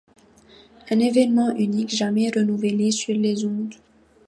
Un événement unique jamais renouvelé sur les ondes.